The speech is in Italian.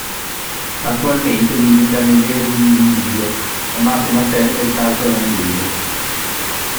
Attualmente milita nell’Eredivisie, la massima serie del calcio olandese.